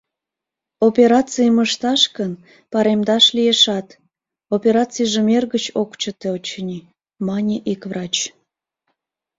— Операцийым ышташ гын, паремдаш лиешат... операцийжым эргыч ок чыте, очыни, — мане ик врач...